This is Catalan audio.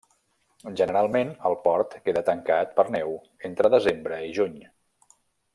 Generalment el port queda tancat per neu entre desembre i juny.